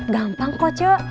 gampang kok cek